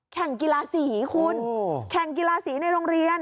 แข่งกีฬาสีคุณแข่งกีฬาสีในโรงเรียน